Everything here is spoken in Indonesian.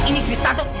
ini duit tante